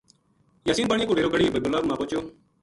یاسین بانیا کو ڈیرو گڑھی حبیب اللہ ما پوہچیو